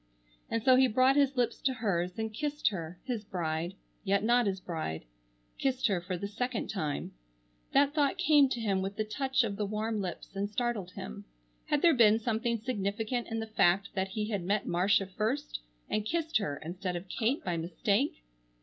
And so he brought his lips to hers, and kissed her, his bride, yet not his bride. Kissed her for the second time. That thought came to him with the touch of the warm lips and startled him. Had there been something significant in the fact that he had met Marcia first and kissed her instead of Kate by mistake?